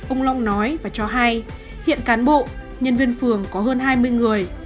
ông long nói và cho hay hiện cán bộ nhân viên phường có hơn hai mươi người